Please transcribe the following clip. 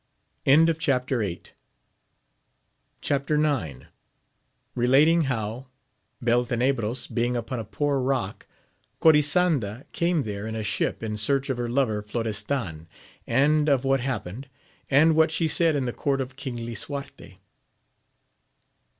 296 AMADIS OF GAUL Chap. IX. — Relating how, BeltenebpoB being upon a PoorEock, Gorisanda came there in a ship in search of her lover Flores tan, and of what happened, aad what she said in the Court of King Lisuarte.